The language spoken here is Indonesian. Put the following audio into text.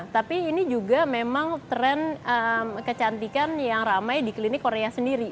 tapi ini juga memang tren kecantikan yang ramai di klinik korea sendiri